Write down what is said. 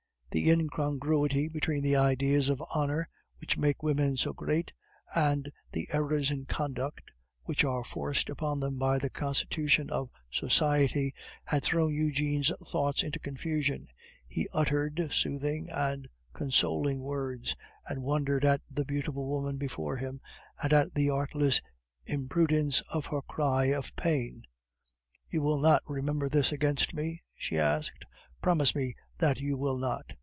The incongruity between the ideas of honor which make women so great, and the errors in conduct which are forced upon them by the constitution of society, had thrown Eugene's thoughts into confusion; he uttered soothing and consoling words, and wondered at the beautiful woman before him, and at the artless imprudence of her cry of pain. "You will not remember this against me?" she asked; "promise me that you will not."